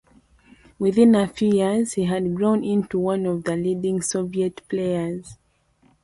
Within a few years, he had grown into one of the leading Soviet players.